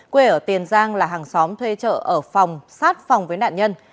quê ở tiền giang là hàng xóm thuê trợ ở phòng sát phòng với nạn nhân